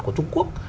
của trung quốc